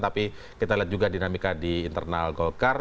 tapi kita lihat juga dinamika di internal golkar